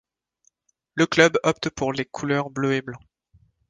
Le club opte pour les couleurs Bleu et Blanc.